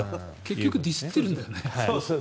結局ディスってるんだよね。